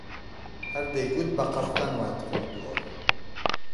هەر دەیگوت بە قەستەن وات کردووە!